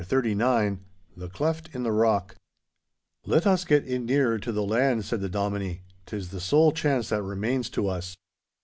*CHAPTER XXXIX* *THE CLEFT IN THE ROCK* 'Let us get in nearer to the land,' said the Dominie; ''tis the sole chance that remains to us.